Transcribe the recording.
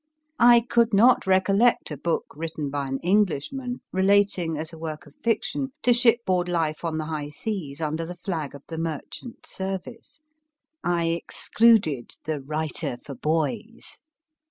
I could not recollect a book, written by an Englishman, relating, as a work of fic tion, to shipboard life on the high seas under the flag of the Merchant Service. I excluded the Writer for Boys.